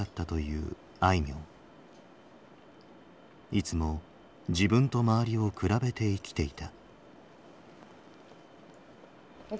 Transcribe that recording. いつも自分と周りを比べて生きていた。